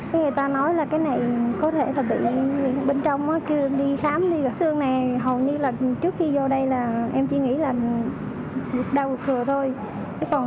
người ta nói là cái này có thể là bị bên trong á kêu em đi xám đi xương này hầu như là trước khi vô đây là em chỉ nghĩ là đau ruột thừa thôi